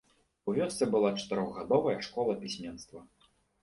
У вёсцы была чатырохгадовая школа пісьменства.